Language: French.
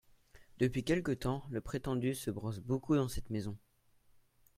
Depuis quelque temps, le prétendu se brosse beaucoup dans cette maison !…